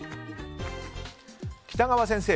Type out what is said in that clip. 北川先生